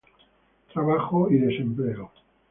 Trabajo y desempleo